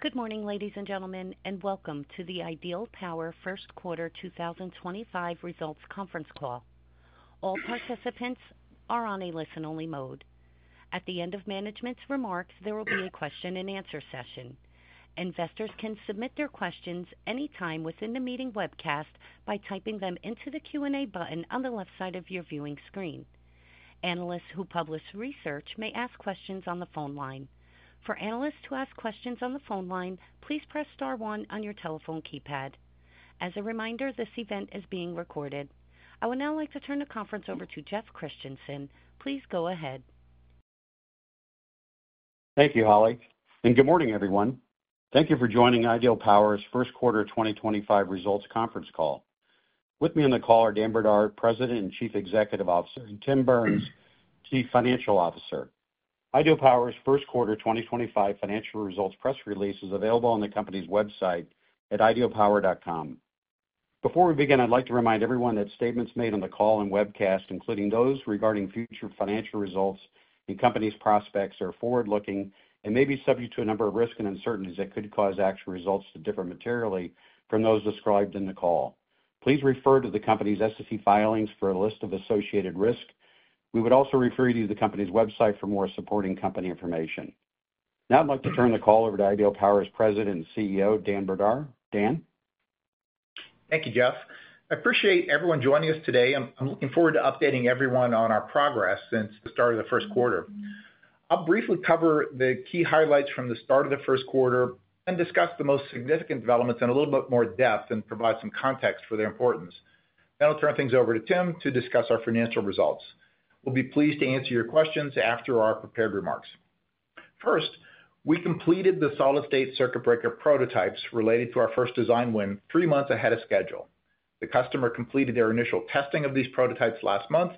Good morning, ladies and gentlemen, and welcome to the Ideal Power first quarter 2025 results conference call. All participants are on a listen-only mode. At the end of management's remarks, there will be a question-and-answer session. Investors can submit their questions anytime within the meeting webcast by typing them into the Q&A button on the left side of your viewing screen. Analysts who publish research may ask questions on the phone line. For Analysts to ask questions on the phone line, please press star one on your telephone keypad. As a reminder, this event is being recorded. I would now like to turn the conference over to Jeff Christensen. Please go ahead. Thank you, Ali. Good morning, everyone. Thank you for joining Ideal Power's first quarter 2025 results conference call. With me on the call are Dan Brdar, President and Chief Executive Officer, and Tim Burns, Chief Financial Officer. Ideal Power's First Quarter 2025 Financial Results Press Release is available on the company's website at idealpower.com. Before we begin, I'd like to remind everyone that statements made on the call and webcast, including those regarding future financial results and the company's prospects, are forward-looking and may be subject to a number of risks and uncertainties that could cause actual results to differ materially from those described in the call. Please refer to the company's S&P filings for a list of associated risks. We would also refer you to the company's website for more supporting company information. Now, I'd like to turn the call over to Ideal Power's President and CEO, Dan Brdar. Dan? Thank you, Jeff. I appreciate everyone joining us today. I'm looking forward to updating everyone on our progress since the start of the first quarter. I'll briefly cover the key highlights from the start of the first quarter and discuss the most significant developments in a little bit more depth and provide some context for their importance. Then I'll turn things over to Tim to discuss our financial results. We'll be pleased to answer your questions after our prepared remarks. First, we completed the solid-state circuit breaker prototypes related to our first design win three months ahead of schedule. The customer completed their initial testing of these prototypes last month,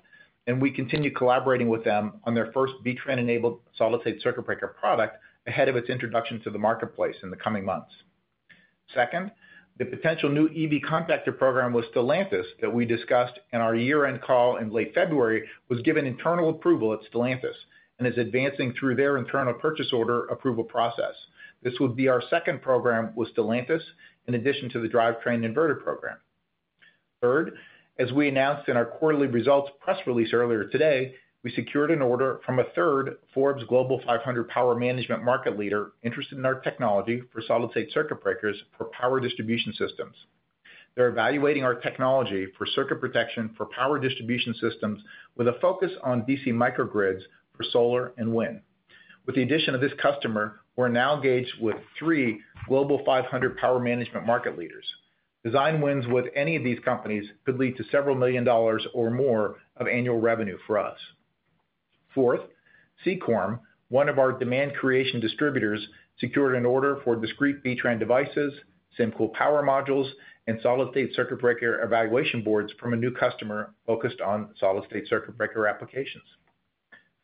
and we continue collaborating with them on their first B-TRAN-enabled solid-state circuit breaker product ahead of its introduction to the marketplace in the coming months. Second, the potential new EV contactor program with Stellantis that we discussed in our year-end call in late February was given internal approval at Stellantis and is advancing through their internal purchase order approval process. This would be our second program with Stellantis in addition to the drive train inverter program. Third, as we announced in our quarterly results press release earlier today, we secured an order from a third Forbes Global 500 Power Management market leader interested in our technology for solid-state circuit breakers for power distribution systems. They're evaluating our technology for circuit protection for power distribution systems with a focus on DC microgrids for solar and wind. With the addition of this customer, we're now engaged with three Global 500 Power Management market leaders. Design wins with any of these companies could lead to several million dollars or more of annual revenue for us. Fourth, Sekorm, one of our demand creation distributors, secured an order for discrete B-TRAN devices, SymCool power modules, and solid-state circuit breaker evaluation boards from a new customer focused on solid-state circuit breaker applications.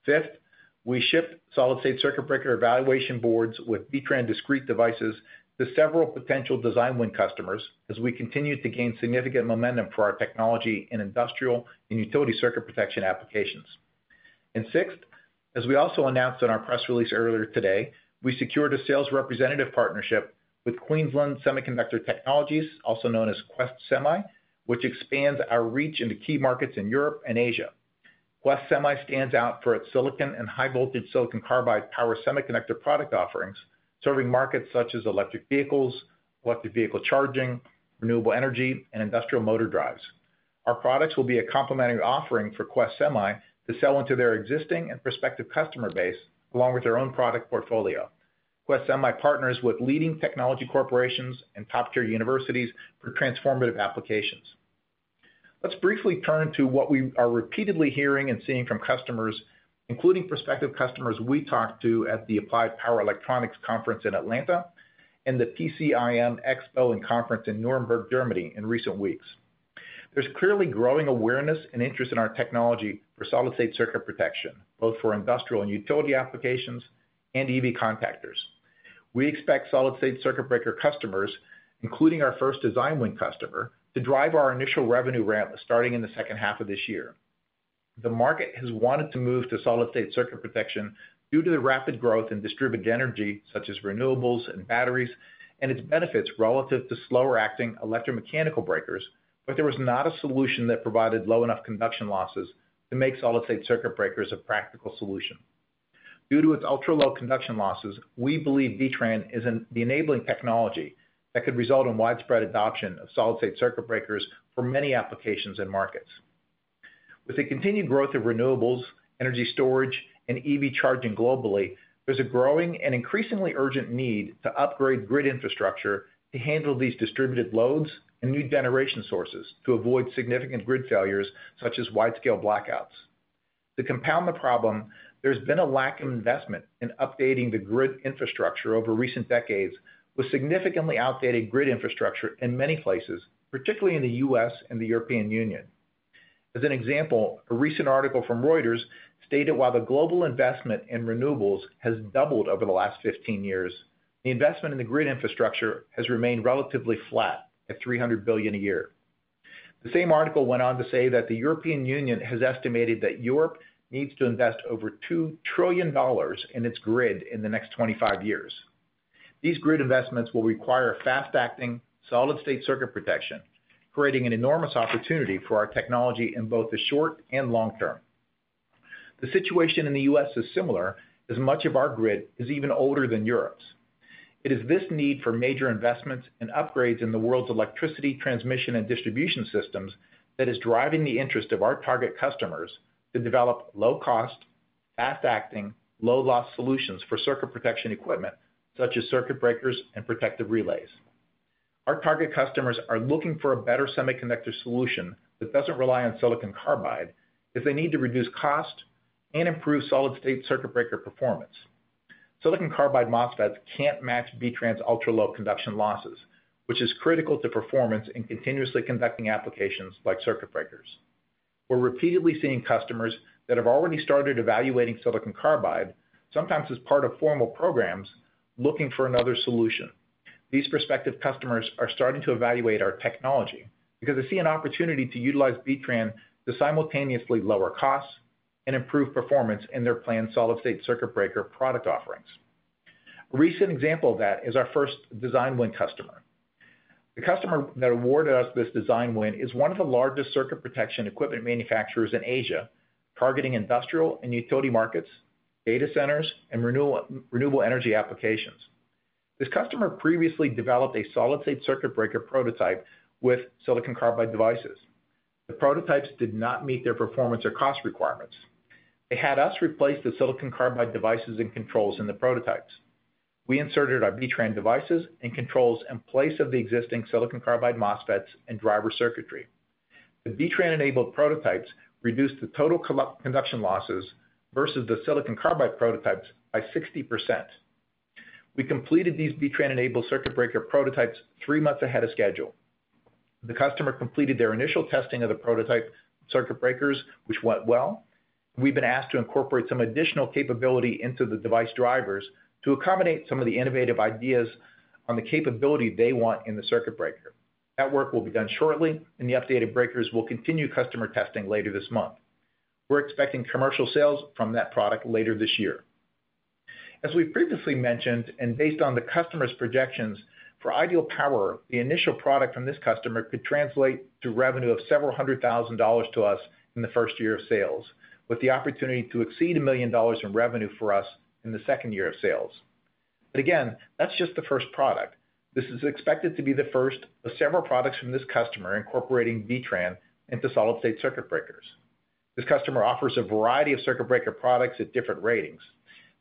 Fifth, we shipped solid-state circuit breaker evaluation boards with B-TRAN discrete devices to several potential design win customers as we continue to gain significant momentum for our technology in industrial and utility circuit protection applications. Sixth, as we also announced in our press release earlier today, we secured a sales representative partnership with Quest Semi, which expands our reach into key markets in Europe and Asia. Quest Semi stands out for its silicon and high-voltage silicon carbide power semiconductor product offerings, serving markets such as electric vehicles, electric vehicle charging, renewable energy, and industrial motor drives. Our products will be a complementary offering for Quest Semi to sell into their existing and prospective customer base along with their own product portfolio. Quest Semi partners with leading technology corporations and top-tier universities for transformative applications. Let's briefly turn to what we are repeatedly hearing and seeing from customers, including prospective customers we talked to at the Applied Power Electronics Conference in Atlanta and the PCIM Expo and Conference in Nuremberg, Germany, in recent weeks. There is clearly growing awareness and interest in our technology for solid-state circuit protection, both for industrial and utility applications and EV contactors. We expect solid-state circuit breaker customers, including our first design win customer, to drive our initial revenue ramp starting in the second half of this year. The market has wanted to move to solid-state circuit protection due to the rapid growth in distributed energy such as renewables and batteries and its benefits relative to slower-acting electromechanical breakers, but there was not a solution that provided low enough conduction losses to make solid-state circuit breakers a practical solution. Due to its ultra-low conduction losses, we believe B-TRAN is the enabling technology that could result in widespread adoption of solid-state circuit breakers for many applications and markets. With the continued growth of renewables, energy storage, and EV charging globally, there's a growing and increasingly urgent need to upgrade grid infrastructure to handle these distributed loads and new generation sources to avoid significant grid failures such as wide-scale blackouts. To compound the problem, there's been a lack of investment in updating the grid infrastructure over recent decades with significantly outdated grid infrastructure in many places, particularly in the U.S. and the European Union. As an example, a recent article from Reuters stated while the global investment in renewables has doubled over the last 15 years, the investment in the grid infrastructure has remained relatively flat at $300 billion a year. The same article went on to say that the European Union has estimated that Europe needs to invest over $2 trillion in its grid in the next 25 years. These grid investments will require fast-acting solid-state circuit protection, creating an enormous opportunity for our technology in both the short and long term. The situation in the U.S. is similar as much of our grid is even older than Europe's. It is this need for major investments and upgrades in the world's electricity, transmission, and distribution systems that is driving the interest of our target customers to develop low-cost, fast-acting, low-loss solutions for circuit protection equipment such as circuit breakers and protective relays. Our target customers are looking for a better semiconductor solution that does not rely on silicon carbide as they need to reduce cost and improve solid-state circuit breaker performance. Silicon carbide MOSFETs cannot match B-TRAN's ultra-low conduction losses, which is critical to performance in continuously conducting applications like circuit breakers. We are repeatedly seeing customers that have already started evaluating silicon carbide, sometimes as part of formal programs, looking for another solution. These prospective customers are starting to evaluate our technology because they see an opportunity to utilize B-TRAN to simultaneously lower costs and improve performance in their planned solid-state circuit breaker product offerings. A recent example of that is our first design win customer. The customer that awarded us this design win is one of the largest circuit protection equipment manufacturers in Asia, targeting industrial and utility markets, data centers, and renewable energy applications. This customer previously developed a solid-state circuit breaker prototype with silicon carbide devices. The prototypes did not meet their performance or cost requirements. They had us replace the silicon carbide devices and controls in the prototypes. We inserted our B-TRAN devices and controls in place of the existing silicon carbide MOSFETs and driver circuitry. The B-TRAN-enabled prototypes reduced the total conduction losses versus the silicon carbide prototypes by 60%. We completed these B-TRAN-enabled circuit breaker prototypes three months ahead of schedule. The customer completed their initial testing of the prototype circuit breakers, which went well. We've been asked to incorporate some additional capability into the device drivers to accommodate some of the innovative ideas on the capability they want in the circuit breaker. That work will be done shortly, and the updated breakers will continue customer testing later this month. We're expecting commercial sales from that product later this year. As we've previously mentioned, and based on the customer's projections, for Ideal Power, the initial product from this customer could translate to revenue of several hundred thousand dollars to us in the first year of sales, with the opportunity to exceed $1 million in revenue for us in the second year of sales. Again, that's just the first product. This is expected to be the first of several products from this customer incorporating B-TRAN into solid-state circuit breakers. This customer offers a variety of circuit breaker products at different ratings.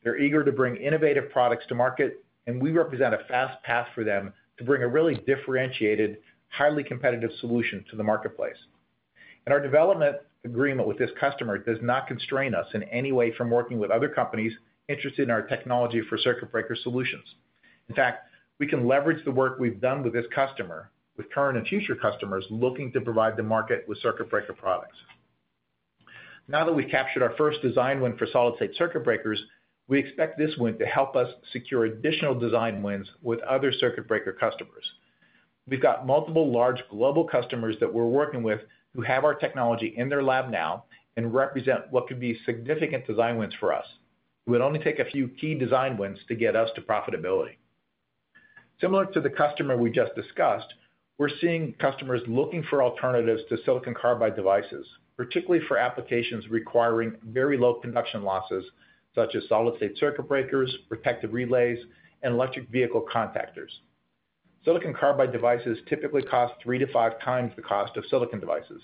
They're eager to bring innovative products to market, and we represent a fast path for them to bring a really differentiated, highly competitive solution to the marketplace. Our development agreement with this customer does not constrain us in any way from working with other companies interested in our technology for circuit breaker solutions. In fact, we can leverage the work we've done with this customer, with current and future customers looking to provide the market with circuit breaker products. Now that we've captured our first design win for solid-state circuit breakers, we expect this win to help us secure additional design wins with other circuit breaker customers. We've got multiple large global customers that we're working with who have our technology in their lab now and represent what could be significant design wins for us. It would only take a few key design wins to get us to profitability. Similar to the customer we just discussed, we're seeing customers looking for alternatives to silicon carbide devices, particularly for applications requiring very low conduction losses such as solid-state circuit breakers, protective relays, and electric vehicle contactors. Silicon carbide devices typically cost three to five times the cost of silicon devices.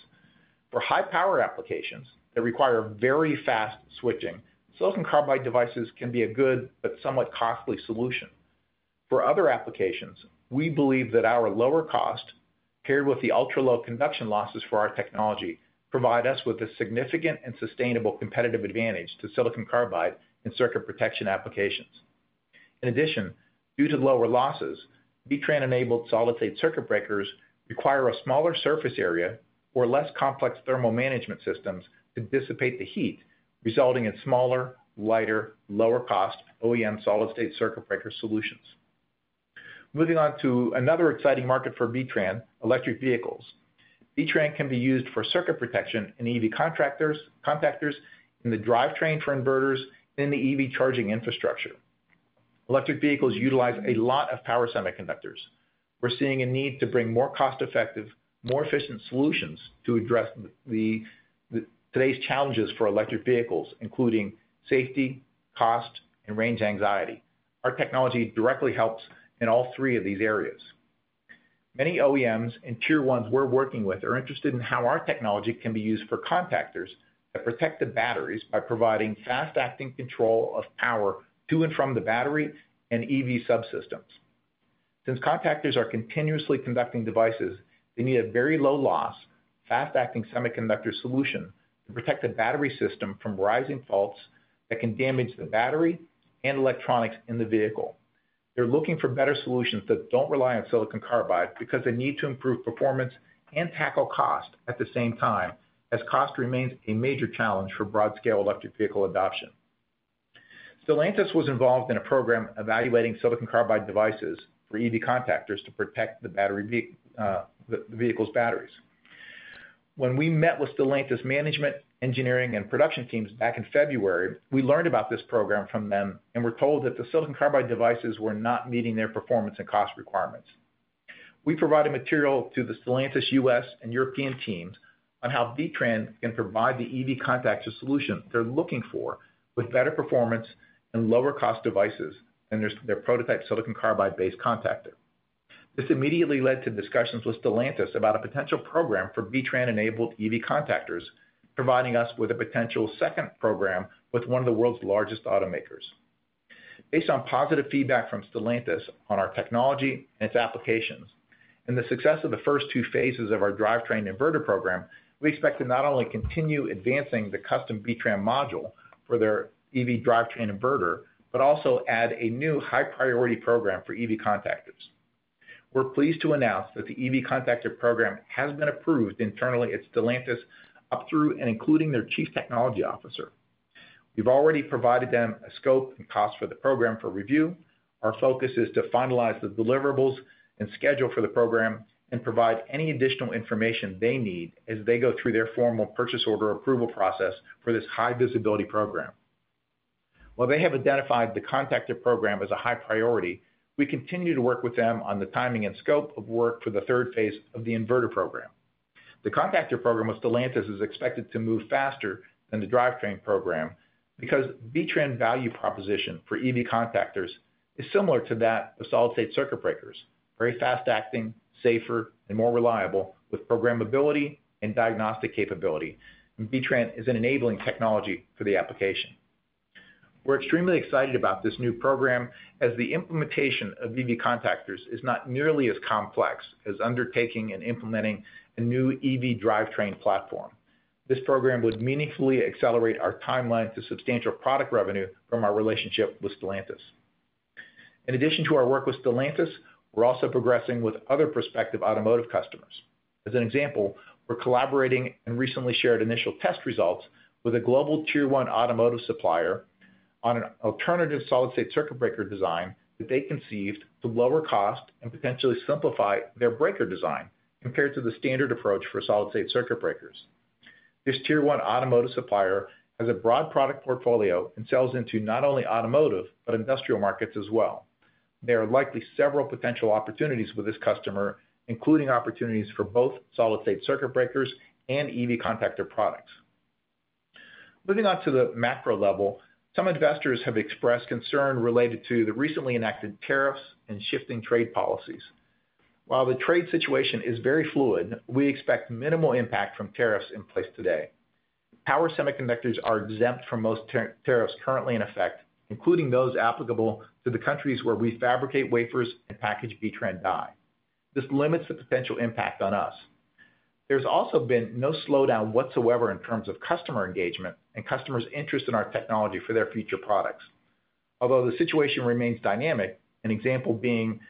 For high-power applications that require very fast switching, silicon carbide devices can be a good but somewhat costly solution. For other applications, we believe that our lower cost, paired with the ultra-low conduction losses for our technology, provide us with a significant and sustainable competitive advantage to silicon carbide in circuit protection applications. In addition, due to lower losses, B-TRAN-enabled solid-state circuit breakers require a smaller surface area or less complex thermal management systems to dissipate the heat, resulting in smaller, lighter, lower-cost OEM solid-state circuit breaker solutions. Moving on to another exciting market for B-TRAN, electric vehicles. B-TRAN can be used for circuit protection in EV contactors in the drive train for inverters and in the EV charging infrastructure. Electric vehicles utilize a lot of power semiconductors. We're seeing a need to bring more cost-effective, more efficient solutions to address today's challenges for electric vehicles, including safety, cost, and range anxiety. Our technology directly helps in all three of these areas. Many OEMs and tier ones we're working with are interested in how our technology can be used for contactors that protect the batteries by providing fast-acting control of power to and from the battery and EV subsystems. Since contactors are continuously conducting devices, they need a very low loss, fast-acting semiconductor solution to protect the battery system from rising faults that can damage the battery and electronics in the vehicle. They're looking for better solutions that don't rely on silicon carbide because they need to improve performance and tackle cost at the same time, as cost remains a major challenge for broad-scale electric vehicle adoption. Stellantis was involved in a program evaluating silicon carbide devices for EV contactors to protect the vehicle's batteries. When we met with Stellantis management, engineering, and production teams back in February, we learned about this program from them and were told that the silicon carbide devices were not meeting their performance and cost requirements. We provided material to the Stellantis U.S. and European teams on how B-TRAN can provide the EV contactor solution they're looking for with better performance and lower-cost devices than their prototype silicon carbide-based contactor. This immediately led to discussions with Stellantis about a potential program for B-TRAN-enabled EV contactors, providing us with a potential second program with one of the world's largest automakers. Based on positive feedback from Stellantis on our technology and its applications and the success of the first two phases of our drive train inverter program, we expect to not only continue advancing the custom B-TRAN module for their EV drive train inverter, but also add a new high-priority program for EV contactors. We're pleased to announce that the EV contactor program has been approved internally at Stellantis up through and including their Chief Technology Officer. We've already provided them a scope and cost for the program for review. Our focus is to finalize the deliverables and schedule for the program and provide any additional information they need as they go through their formal purchase order approval process for this high-visibility program. While they have identified the contactor program as a high priority, we continue to work with them on the timing and scope of work for the third phase of the inverter program. The contactor program with Stellantis is expected to move faster than the drive train program because B-TRAN's value proposition for EV contactors is similar to that of solid-state circuit breakers: very fast-acting, safer, and more reliable with programmability and diagnostic capability. B-TRAN is an enabling technology for the application. We're extremely excited about this new program as the implementation of EV contactors is not nearly as complex as undertaking and implementing a new EV drive train platform. This program would meaningfully accelerate our timeline to substantial product revenue from our relationship with Stellantis. In addition to our work with Stellantis, we're also progressing with other prospective automotive customers. As an example, we're collaborating and recently shared initial test results with a global tier one automotive supplier on an alternative solid-state circuit breaker design that they conceived to lower cost and potentially simplify their breaker design compared to the standard approach for solid-state circuit breakers. This tier one automotive supplier has a broad product portfolio and sells into not only automotive but industrial markets as well. There are likely several potential opportunities with this customer, including opportunities for both solid-state circuit breakers and EV contactor products. Moving on to the macro level, some investors have expressed concern related to the recently enacted tariffs and shifting trade policies. While the trade situation is very fluid, we expect minimal impact from tariffs in place today. Power semiconductors are exempt from most tariffs currently in effect, including those applicable to the countries where we fabricate wafers and package B-TRAN die. This limits the potential impact on us. There has also been no slowdown whatsoever in terms of customer engagement and customers' interest in our technology for their future products. Although the situation remains dynamic, an example being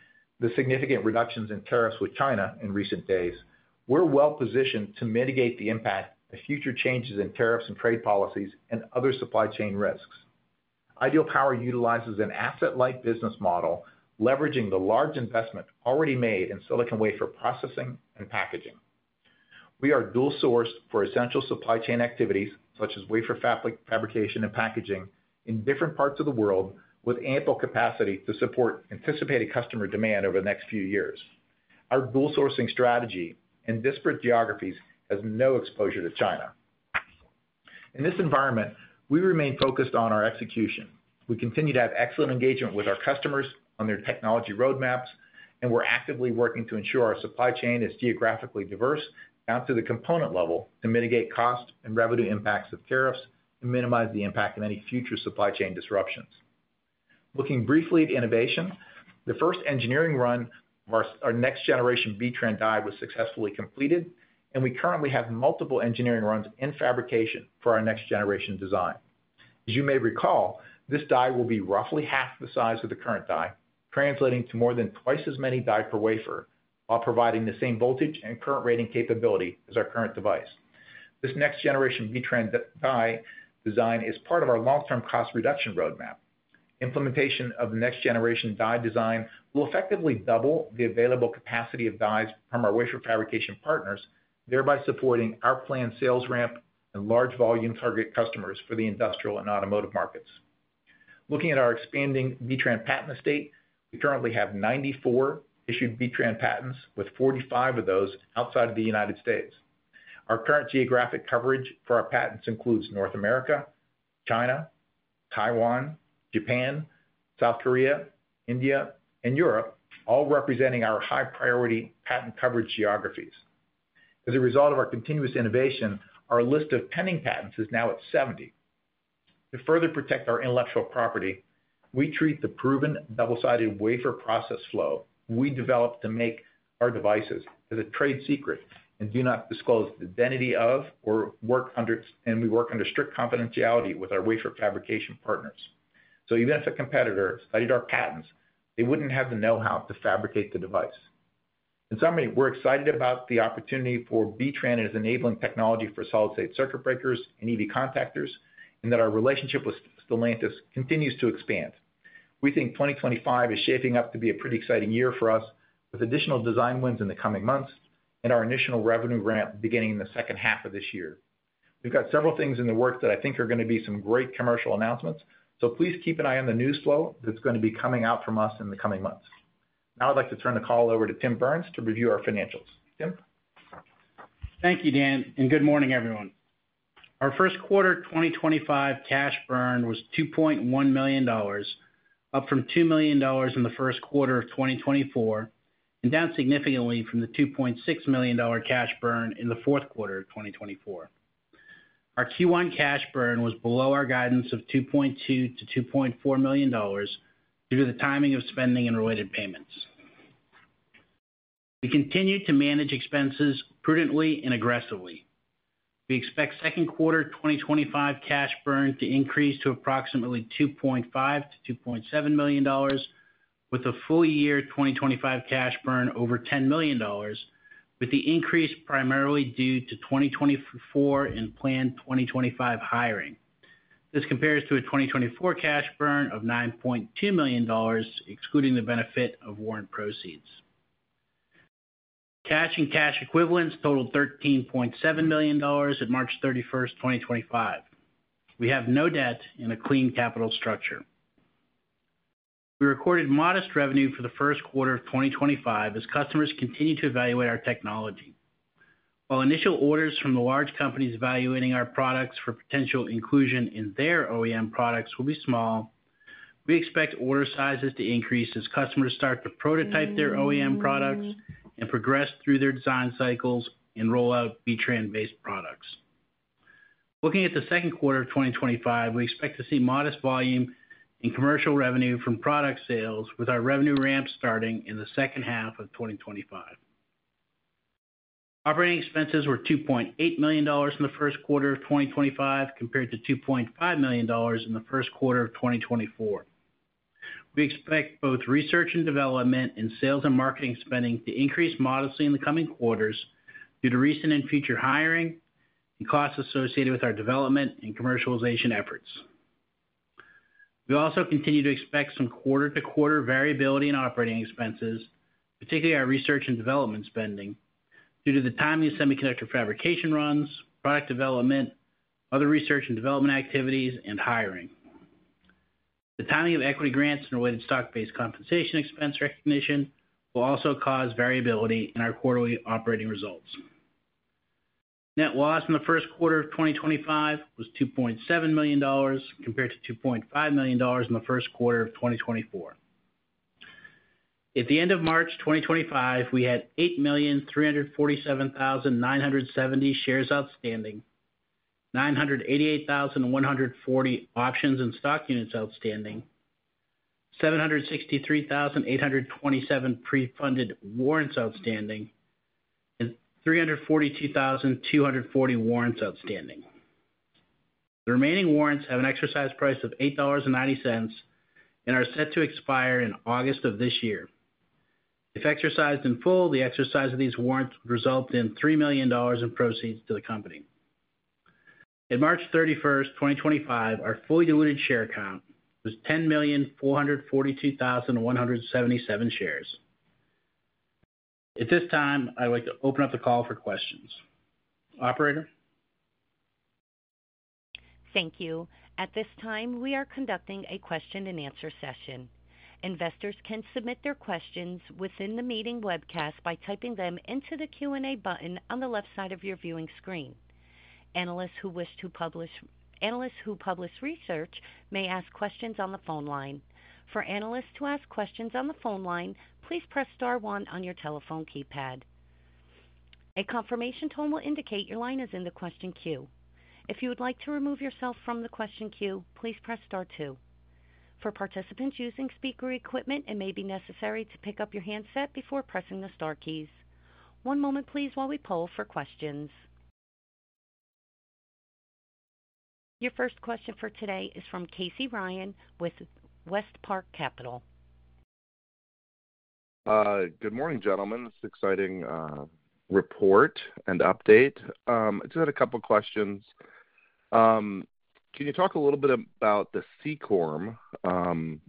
the significant reductions in tariffs with China in recent days, we are well positioned to mitigate the impact of future changes in tariffs and trade policies and other supply chain risks. Ideal Power utilizes an asset-light business model leveraging the large investment already made in silicon wafer processing and packaging. We are dual-sourced for essential supply chain activities such as wafer fabrication and packaging in different parts of the world with ample capacity to support anticipated customer demand over the next few years. Our dual-sourcing strategy in disparate geographies has no exposure to China. In this environment, we remain focused on our execution. We continue to have excellent engagement with our customers on their technology roadmaps, and we're actively working to ensure our supply chain is geographically diverse down to the component level to mitigate cost and revenue impacts of tariffs and minimize the impact of any future supply chain disruptions. Looking briefly at innovation, the first engineering run of our next-generation B-TRAN die was successfully completed, and we currently have multiple engineering runs in fabrication for our next-generation design. As you may recall, this die will be roughly half the size of the current die, translating to more than twice as many die per wafer while providing the same voltage and current rating capability as our current device. This next-generation B-TRAN die design is part of our long-term cost reduction roadmap. Implementation of the next-generation die design will effectively double the available capacity of die from our wafer fabrication partners, thereby supporting our planned sales ramp and large volume target customers for the industrial and automotive markets. Looking at our expanding B-TRAN patent estate, we currently have 94 issued B-TRAN patents, with 45 of those outside of the United States. Our current geographic coverage for our patents includes North America, China, Taiwan, Japan, South Korea, India, and Europe, all representing our high-priority patent coverage geographies. As a result of our continuous innovation, our list of pending patents is now at 70. To further protect our intellectual property, we treat the proven double-sided wafer process flow we developed to make our devices as a trade secret and do not disclose the identity of, or work under, and we work under strict confidentiality with our wafer fabrication partners. Even if a competitor studied our patents, they would not have the know-how to fabricate the device. In summary, we are excited about the opportunity for B-TRAN as enabling technology for solid-state circuit breakers and EV contactors and that our relationship with Stellantis continues to expand. We think 2025 is shaping up to be a pretty exciting year for us with additional design wins in the coming months and our initial revenue ramp beginning in the second half of this year. We've got several things in the works that I think are going to be some great commercial announcements, so please keep an eye on the news flow that's going to be coming out from us in the coming months. Now I'd like to turn the call over to Tim Burns to review our financials. Tim? Thank you, Dan, and good morning, everyone. Our first quarter 2025 cash burn was $2.1 million, up from $2 million in the first quarter of 2024 and down significantly from the $2.6 million cash burn in the fourth quarter of 2024. Our Q1 cash burn was below our guidance of $2.2-$2.4 million due to the timing of spending and related payments. We continue to manage expenses prudently and aggressively. We expect second quarter 2025 cash burn to increase to approximately $2.5-$2.7 million, with a full year 2025 cash burn over $10 million, with the increase primarily due to 2024 and planned 2025 hiring. This compares to a 2024 cash burn of $9.2 million, excluding the benefit of warrant proceeds. Cash and cash equivalents totaled $13.7 million at March 31st, 2025. We have no debt and a clean capital structure. We recorded modest revenue for the first quarter of 2025 as customers continue to evaluate our technology. While initial orders from the large companies evaluating our products for potential inclusion in their OEM products will be small, we expect order sizes to increase as customers start to prototype their OEM products and progress through their design cycles and roll out B-TRAN-based products. Looking at the second quarter of 2025, we expect to see modest volume and commercial revenue from product sales, with our revenue ramp starting in the second half of 2025. Operating expenses were $2.8 million in the first quarter of 2025 compared to $2.5 million in the first quarter of 2024. We expect both research and development and sales and marketing spending to increase modestly in the coming quarters due to recent and future hiring and costs associated with our development and commercialization efforts. We also continue to expect some quarter-to-quarter variability in operating expenses, particularly our research and development spending, due to the timing of semiconductor fabrication runs, product development, other research and development activities, and hiring. The timing of equity grants and related stock-based compensation expense recognition will also cause variability in our quarterly operating results. Net loss in the first quarter of 2025 was $2.7 million compared to $2.5 million in the first quarter of 2024. At the end of March 2025, we had 8,347,970 shares outstanding, 988,140 options and stock units outstanding, 763,827 pre-funded warrants outstanding, and 342,240 warrants outstanding. The remaining warrants have an exercise price of $8.90 and are set to expire in August of this year. If exercised in full, the exercise of these warrants would result in $3 million in proceeds to the company. At March 31st, 2025, our fully diluted share count was 10,442,177 shares. At this time, I'd like to open up the call for questions. Operator? Thank you. At this time, we are conducting a question-and-answer session. Investors can submit their questions within the meeting webcast by typing them into the Q&A button on the left side of your viewing screen. Analysts who publish research may ask questions on the phone line. For Analysts to ask questions on the phone line, please press star one on your telephone keypad. A confirmation tone will indicate your line is in the question queue. If you would like to remove yourself from the question queue, please press star two. For participants using speaker equipment, it may be necessary to pick up your handset before pressing the star keys. One moment, please, while we poll for questions. Your first question for today is from Casey Ryan with West Park Capital. Good morning, gentlemen. It's an exciting report and update. I just had a couple of questions. Can you talk a little bit about the Sekorm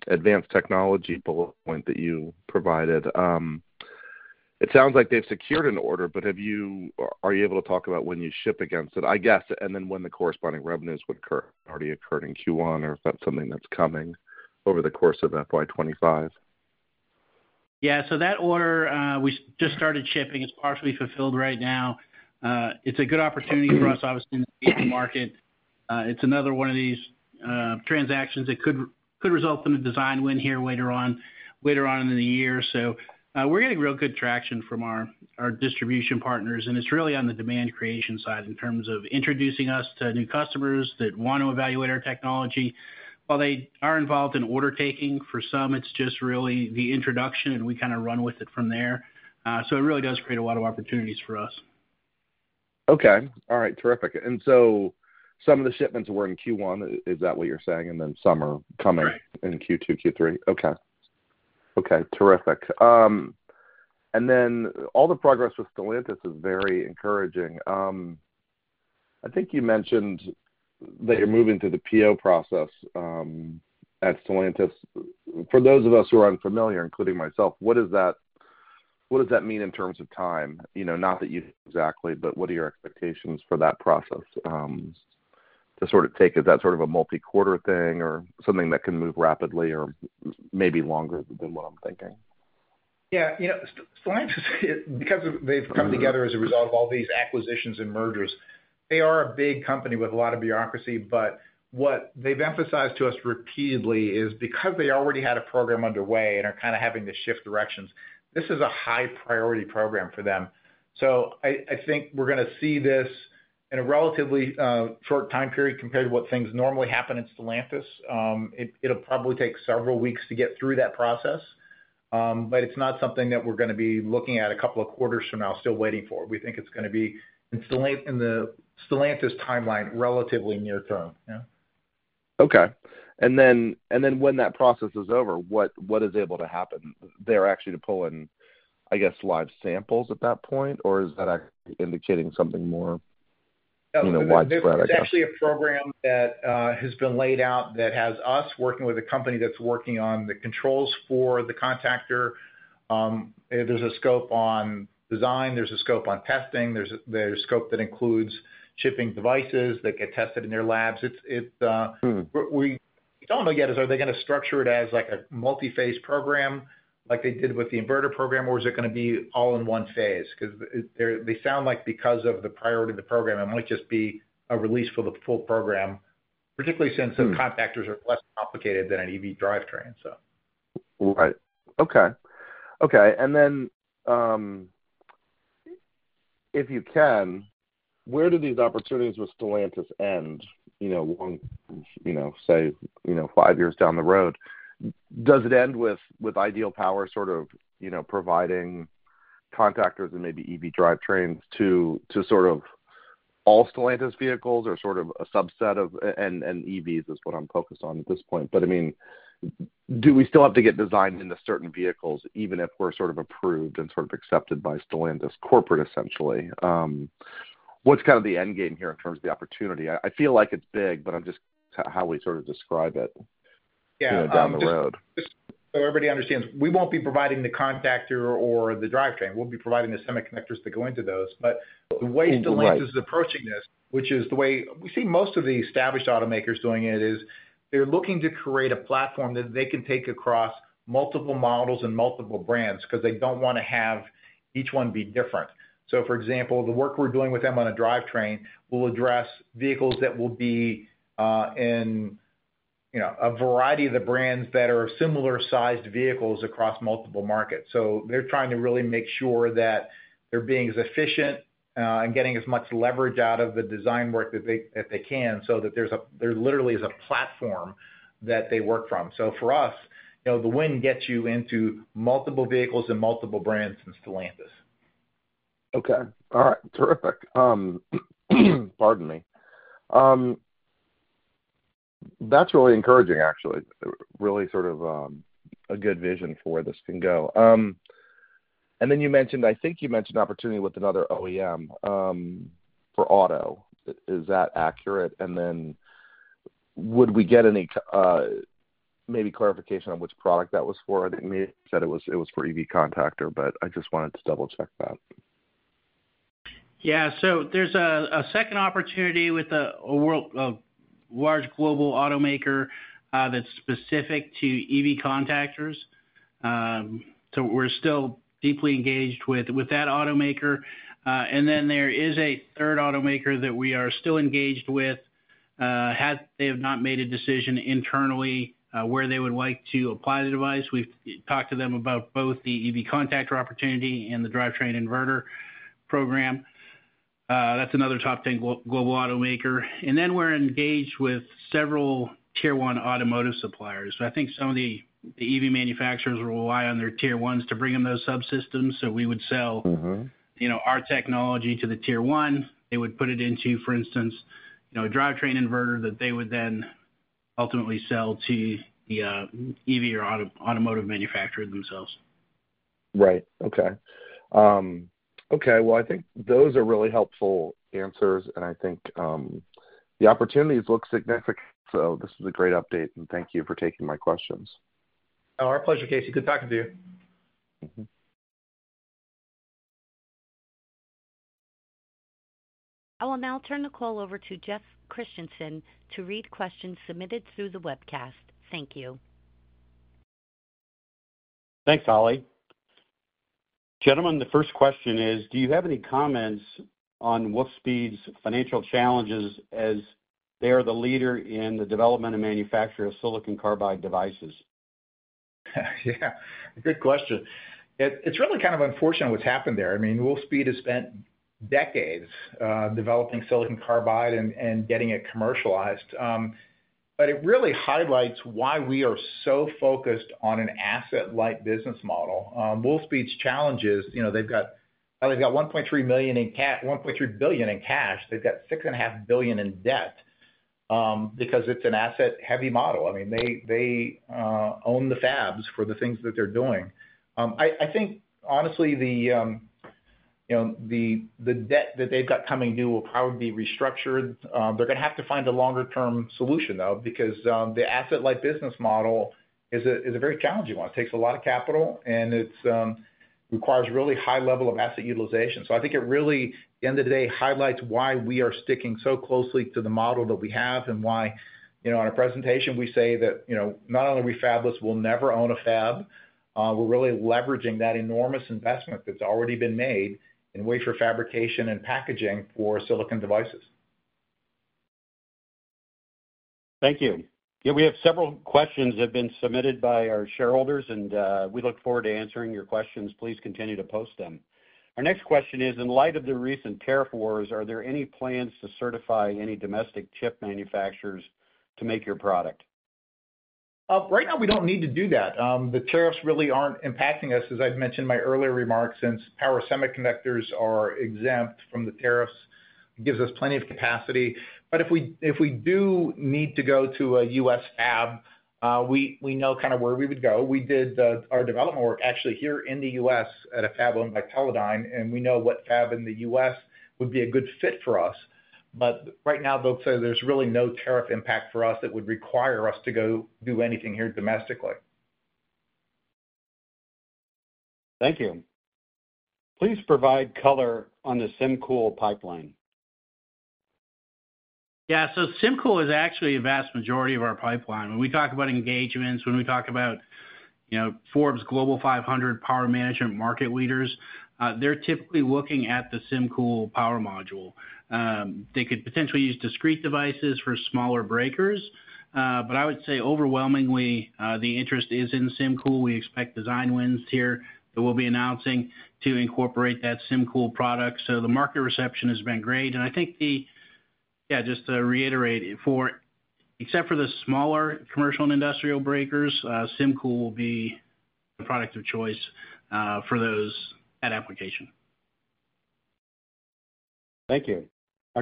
Advanced Technology bullet point that you provided? It sounds like they've secured an order, but are you able to talk about when you ship against it, I guess, and then when the corresponding revenues would already occur in Q1 or if that's something that's coming over the course of FY 2025? Yeah. That order, we just started shipping. It's partially fulfilled right now. It's a good opportunity for us, obviously, in the market. It's another one of these transactions that could result in a design win here later on in the year. We're getting real good traction from our distribution partners, and it's really on the demand creation side in terms of introducing us to new customers that want to evaluate our technology. While they are involved in order taking, for some, it's just really the introduction, and we kind of run with it from there. It really does create a lot of opportunities for us. Okay. All right. Terrific. Some of the shipments were in Q1, is that what you're saying? Then some are coming in Q2, Q3? Correct. Okay. Okay. Terrific. All the progress with Stellantis is very encouraging. I think you mentioned that you're moving through the PO process at Stellantis. For those of us who are unfamiliar, including myself, what does that mean in terms of time? Not that you know exactly, but what are your expectations for that process to sort of take? Is that sort of a multi-quarter thing or something that can move rapidly or maybe longer than what I'm thinking? Yeah. Stellantis, because they've come together as a result of all these acquisitions and mergers, they are a big company with a lot of bureaucracy. What they've emphasized to us repeatedly is because they already had a program underway and are kind of having to shift directions, this is a high-priority program for them. I think we're going to see this in a relatively short time period compared to what things normally happen in Stellantis. It'll probably take several weeks to get through that process, but it's not something that we're going to be looking at a couple of quarters from now, still waiting for. We think it's going to be in the Stellantis timeline relatively near term. Okay. When that process is over, what is able to happen? They're actually to pull in, I guess, live samples at that point, or is that indicating something more widespread? It's actually a program that has been laid out that has us working with a company that's working on the controls for the compactor. There's a scope on design. There's a scope on testing. There's a scope that includes shipping devices that get tested in their labs. What we don't know yet is are they going to structure it as a multi-phase program like they did with the inverter program, or is it going to be all in one phase? Because they sound like because of the priority of the program, it might just be a release for the full program, particularly since the compactors are less complicated than an EV drivetrain, so. Right. Okay. Okay. If you can, where do these opportunities with Stellantis end, say, five years down the road? Does it end with Ideal Power sort of providing contactors and maybe EV drivetrains to sort of all Stellantis vehicles or sort of a subset of and EVs is what I'm focused on at this point. I mean, do we still have to get designed into certain vehicles even if we're sort of approved and sort of accepted by Stellantis corporate, essentially? What's kind of the end game here in terms of the opportunity? I feel like it's big, but I'm just. How we sort of describe it down the road. So everybody understands we won't be providing the contactor or the drivetrain. We'll be providing the semiconductors that go into those. The way Stellantis is approaching this, which is the way we see most of the established automakers doing it, is they're looking to create a platform that they can take across multiple models and multiple brands because they don't want to have each one be different. For example, the work we're doing with them on a drivetrain will address vehicles that will be in a variety of the brands that are similar-sized vehicles across multiple markets. They're trying to really make sure that they're being as efficient and getting as much leverage out of the design work that they can so that there literally is a platform that they work from. For us, the win gets you into multiple vehicles and multiple brands in Stellantis. Okay. All right. Terrific. Pardon me. That's really encouraging, actually. Really sort of a good vision for where this can go. You mentioned, I think you mentioned opportunity with another OEM for auto. Is that accurate? Would we get any maybe clarification on which product that was for? I think Mia said it was for EV contactor, but I just wanted to double-check that. Yeah. There is a second opportunity with a large global automaker that's specific to EV contactors. We're still deeply engaged with that automaker. There is a third automaker that we are still engaged with. They have not made a decision internally where they would like to apply the device. We've talked to them about both the EV contactor opportunity and the drivetrain inverter program. That's another top-ten global automaker. We're engaged with several tier-one automotive suppliers. I think some of the EV manufacturers rely on their tier-ones to bring in those subsystems. We would sell our technology to the tier-one. They would put it into, for instance, a drivetrain inverter that they would then ultimately sell to the EV or automotive manufacturer themselves. Right. Okay. I think those are really helpful answers. I think the opportunities look significant. This is a great update. Thank you for taking my questions. Our pleasure, Casey. Good talking to you. I will now turn the call over to Jeff Christensen to read questions submitted through the webcast. Thank you. Thanks, Ali. Gentlemen, the first question is, do you have any comments on Wolfspeed's financial challenges as they are the leader in the development and manufacture of silicon carbide devices? Yeah. Good question. It's really kind of unfortunate what's happened there. I mean, Wolfspeed has spent decades developing silicon carbide and getting it commercialized. It really highlights why we are so focused on an asset-light business model. Wolfspeed's challenge is they've got $1.3 billion in cash. They've got $6.5 billion in debt because it's an asset-heavy model. I mean, they own the fabs for the things that they're doing. I think, honestly, the debt that they've got coming due will probably be restructured. They're going to have to find a longer-term solution, though, because the asset-light business model is a very challenging one. It takes a lot of capital, and it requires a really high level of asset utilization. I think it really, at the end of the day, highlights why we are sticking so closely to the model that we have and why, on a presentation, we say that not only will we fabless, we'll never own a fab. We're really leveraging that enormous investment that's already been made in wafer fabrication and packaging for silicon devices. Thank you. Yeah. We have several questions that have been submitted by our shareholders, and we look forward to answering your questions. Please continue to post them. Our next question is, in light of the recent tariff wars, are there any plans to certify any domestic chip manufacturers to make your product? Right now, we don't need to do that. The tariffs really aren't impacting us, as I'd mentioned in my earlier remarks, since power semiconductors are exempt from the tariffs. It gives us plenty of capacity. If we do need to go to a U.S. fab, we know kind of where we would go. We did our development work actually here in the U.S. at a fab owned by Paladin, and we know what fab in the U.S. would be a good fit for us. Right now, they'll say there's really no tariff impact for us that would require us to go do anything here domestically. Thank you. Please provide color on the SymCool pipeline. Yeah. SymCool is actually a vast majority of our pipeline. When we talk about engagements, when we talk about Forbes Global 500 power management market leaders, they're typically looking at the SymCool power module. They could potentially use discrete devices for smaller breakers. I would say overwhelmingly, the interest is in SymCool. We expect design wins here that we'll be announcing to incorporate that SymCool product. The market reception has been great. I think, yeah, just to reiterate, except for the smaller commercial and industrial breakers, SymCool will be the product of choice for that application. Thank you. Our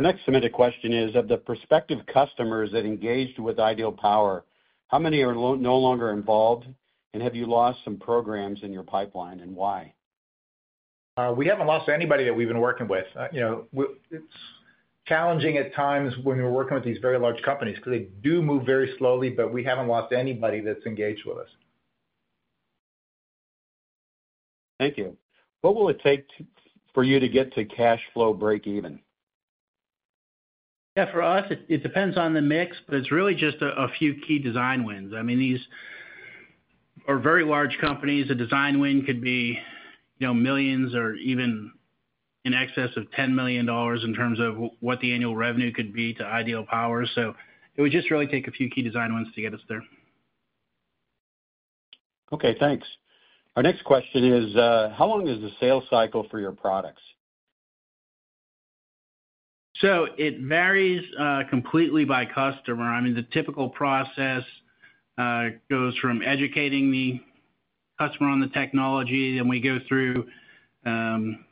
next submitted question is, of the prospective customers that engaged with Ideal Power, how many are no longer involved, and have you lost some programs in your pipeline, and why? We have not lost anybody that we have been working with. It is challenging at times when we are working with these very large companies because they do move very slowly, but we have not lost anybody that is engaged with us. Thank you. What will it take for you to get to cash flow break-even? Yeah. For us, it depends on the mix, but it is really just a few key design wins. I mean, these are very large companies. A design win could be millions or even in excess of $10 million in terms of what the annual revenue could be to Ideal Power. It would just really take a few key design wins to get us there. Okay. Thanks. Our next question is, how long is the sales cycle for your products? It varies completely by customer. I mean, the typical process goes from educating the customer on the technology, then we go through and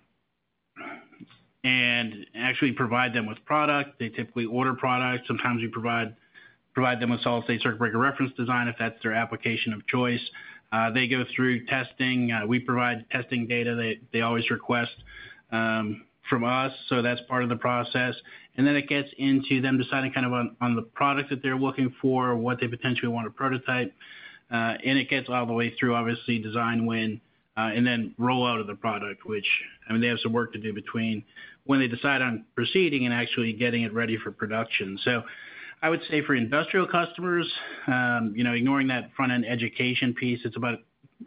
actually provide them with product. They typically order products. Sometimes we provide them with solid-state circuit breaker reference design if that's their application of choice. They go through testing. We provide testing data that they always request from us. That's part of the process. It gets into them deciding kind of on the product that they're looking for, what they potentially want to prototype. It gets all the way through, obviously, design win and then rollout of the product, which, I mean, they have some work to do between when they decide on proceeding and actually getting it ready for production. I would say for industrial customers, ignoring that front-end education piece, it's about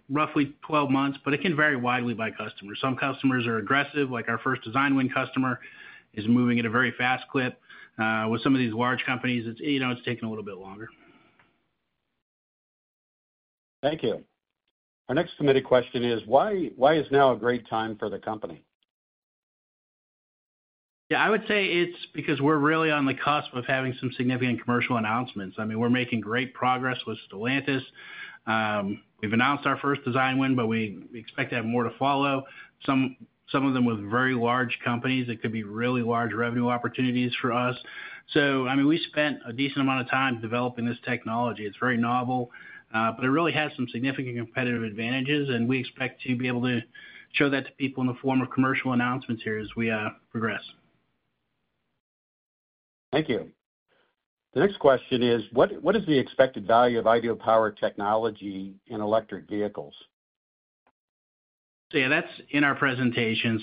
roughly 12 months, but it can vary widely by customer. Some customers are aggressive. Our first design win customer is moving at a very fast clip. With some of these large companies, it's taken a little bit longer. Thank you. Our next submitted question is, why is now a great time for the company? Yeah. I would say it's because we're really on the cusp of having some significant commercial announcements. I mean, we're making great progress with Stellantis. We've announced our first design win, but we expect to have more to follow. Some of them with very large companies that could be really large revenue opportunities for us. I mean, we spent a decent amount of time developing this technology. It's very novel, but it really has some significant competitive advantages. We expect to be able to show that to people in the form of commercial announcements here as we progress. Thank you. The next question is, what is the expected value of Ideal Power technology in electric vehicles? Yeah, that's in our presentation.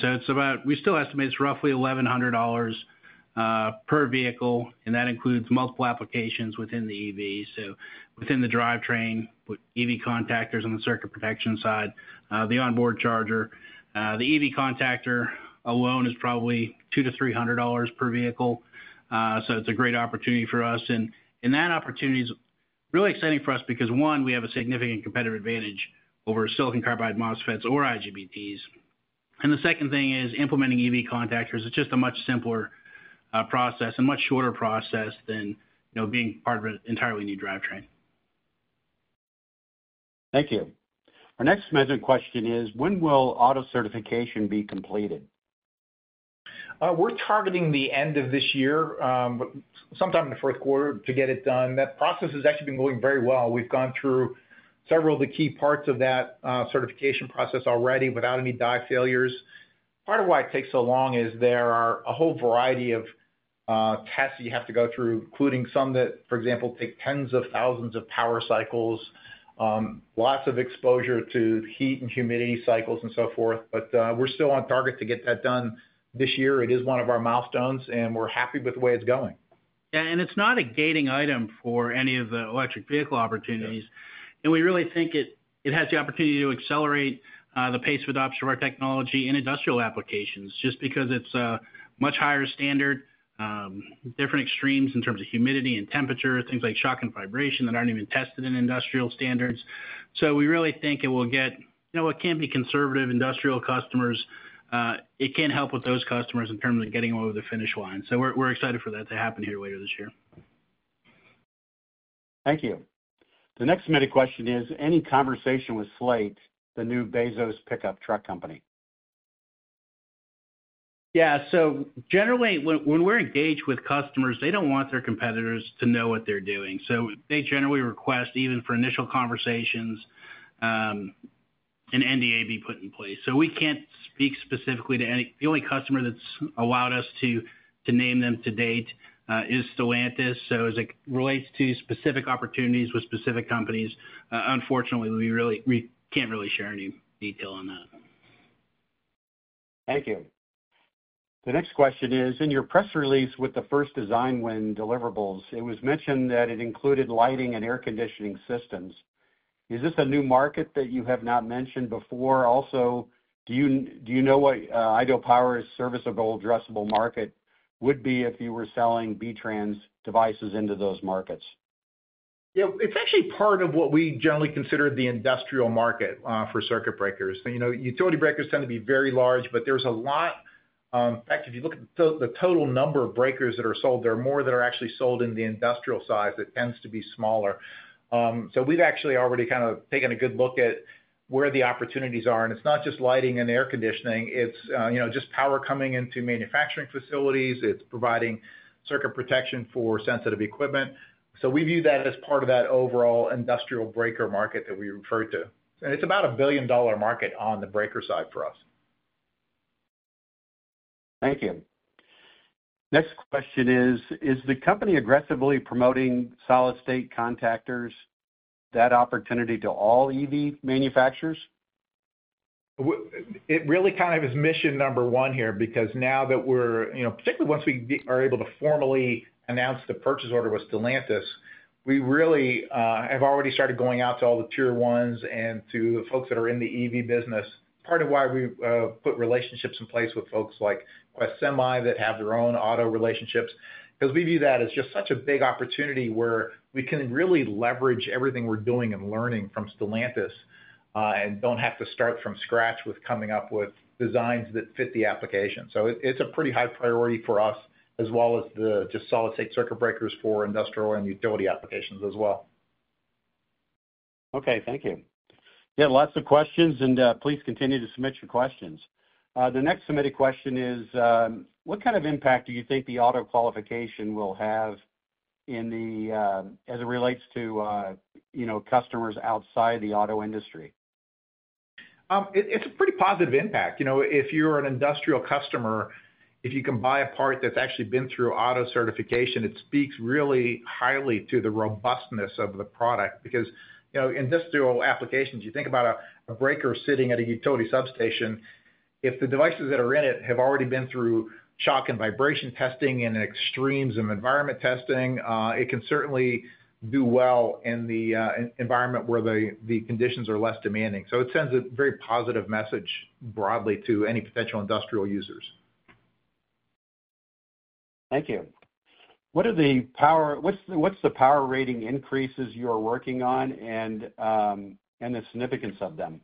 We still estimate it's roughly $1,100 per vehicle, and that includes multiple applications within the EV. Within the drivetrain, EV contactors on the circuit protection side, the onboard charger. The EV contactor alone is probably $200-$300 per vehicle. It's a great opportunity for us. That opportunity is really exciting for us because, one, we have a significant competitive advantage over silicon carbide MOSFETs or IGBTs. The second thing is implementing EV contactors. It's just a much simpler process, a much shorter process than being part of an entirely new drivetrain. Thank you. Our next submitted question is, when will auto certification be completed? We're targeting the end of this year, sometime in the fourth quarter, to get it done. That process has actually been going very well. We've gone through several of the key parts of that certification process already without any die failures. Part of why it takes so long is there are a whole variety of tests you have to go through, including some that, for example, take tens of thousands of power cycles, lots of exposure to heat and humidity cycles and so forth. We're still on target to get that done this year. It is one of our milestones, and we're happy with the way it's going. Yeah. It's not a gating item for any of the electric vehicle opportunities. We really think it has the opportunity to accelerate the pace with optional technology in industrial applications just because it's a much higher standard, different extremes in terms of humidity and temperature, things like shock and vibration that aren't even tested in industrial standards. We really think it will get what can be conservative industrial customers. It can help with those customers in terms of getting them over the finish line. We're excited for that to happen here later this year. Thank you. The next submitted question is, any conversation with Slate, the new Bezos pickup truck company? Yeah. Generally, when we're engaged with customers, they don't want their competitors to know what they're doing. They generally request, even for initial conversations, an NDA be put in place. We can't speak specifically to any. The only customer that's allowed us to name them to date is Stellantis. As it relates to specific opportunities with specific companies, unfortunately, we can't really share any detail on that. Thank you. The next question is, in your press release with the first design win deliverables, it was mentioned that it included lighting and air conditioning systems. Is this a new market that you have not mentioned before? Also, do you know what Ideal Power's serviceable, addressable market would be if you were selling B-TRAN devices into those markets? Yeah. It's actually part of what we generally consider the industrial market for circuit breakers. Utility breakers tend to be very large, but there's a lot, in fact, if you look at the total number of breakers that are sold, there are more that are actually sold in the industrial size that tends to be smaller. We've actually already kind of taken a good look at where the opportunities are. It's not just lighting and air conditioning. It's just power coming into manufacturing facilities. It's providing circuit protection for sensitive equipment. We view that as part of that overall industrial breaker market that we refer to. It's about a $1 billion market on the breaker side for us. Thank you. Next question is, is the company aggressively promoting solid-state contactors, that opportunity to all EV manufacturers? It really kind of is mission number one here because now that we're, particularly once we are able to formally announce the purchase order with Stellantis, we really have already started going out to all the tier ones and to the folks that are in the EV business. Part of why we put relationships in place with folks like West Park Capital that have their own auto relationships because we view that as just such a big opportunity where we can really leverage everything we're doing and learning from Stellantis and do not have to start from scratch with coming up with designs that fit the application. It is a pretty high priority for us as well as the just solid-state circuit breakers for industrial and utility applications as well. Okay. Thank you. Yeah. Lots of questions, and please continue to submit your questions. The next submitted question is, what kind of impact do you think the auto qualification will have as it relates to customers outside the auto industry? It's a pretty positive impact. If you're an industrial customer, if you can buy a part that's actually been through auto certification, it speaks really highly to the robustness of the product because in industrial applications, you think about a breaker sitting at a utility substation. If the devices that are in it have already been through shock and vibration testing and extremes of environment testing, it can certainly do well in the environment where the conditions are less demanding. It sends a very positive message broadly to any potential industrial users. Thank you. What's the power rating increases you are working on and the significance of them?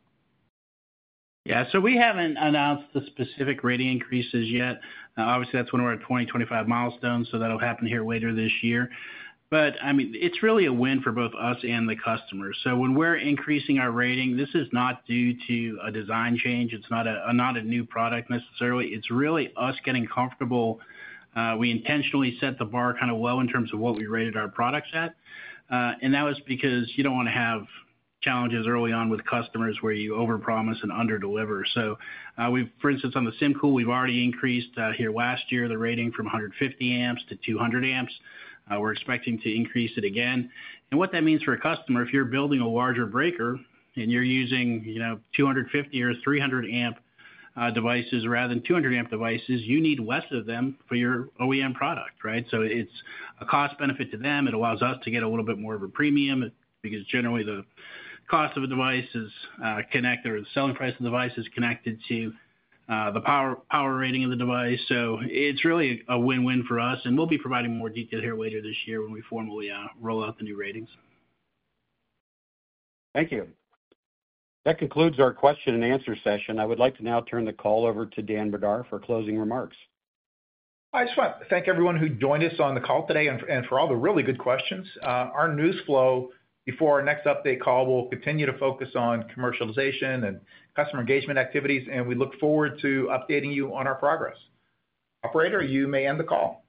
Yeah. We haven't announced the specific rating increases yet. Obviously, that's one of our 2025 milestones, so that'll happen here later this year. But I mean, it's really a win for both us and the customers. So when we're increasing our rating, this is not due to a design change. It's not a new product necessarily. It's really us getting comfortable. We intentionally set the bar kind of low in terms of what we rated our products at. And that was because you don't want to have challenges early on with customers where you overpromise and underdeliver. For instance, on the SymCool, we've already increased here last year the rating from 150 amps to 200 amps. We're expecting to increase it again. What that means for a customer, if you're building a larger breaker and you're using 250 or 300 amp devices rather than 200 amp devices, you need less of them for your OEM product, right? It is a cost benefit to them. It allows us to get a little bit more of a premium because generally, the cost of a device is connected or the selling price of the device is connected to the power rating of the device. It is really a win-win for us. We will be providing more detail here later this year when we formally roll out the new ratings. Thank you. That concludes our question and answer session. I would like to now turn the call over to Dan Brdar for closing remarks. I want to thank everyone who joined us on the call today and for all the really good questions. Our news flow before our next update call will continue to focus on commercialization and customer engagement activities, and we look forward to updating you on our progress. Operator, you may end the call.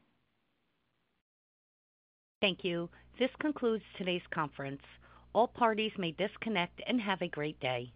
Thank you. This concludes today's conference. All parties may disconnect and have a great day.